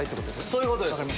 そういうことです。